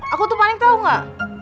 aku tuh panik tau gak